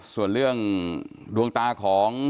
ส่วนเรื่องดวงตาของ